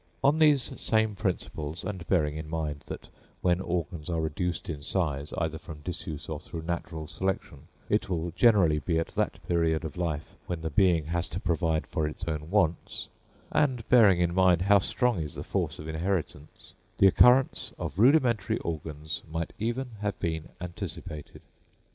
On these same principles, and bearing in mind that when organs are reduced in size, either from disuse or through natural selection, it will generally be at that period of life when the being has to provide for its own wants, and bearing in mind how strong is the force of inheritance—the occurrence of rudimentary organs might even have been anticipated.